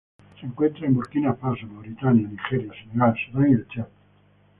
Se encuentra en Burkina Faso, Mauritania, Nigeria, Senegal, Sudán y el Chad.